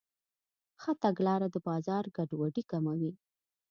ښه تګلاره د بازار ګډوډي کموي.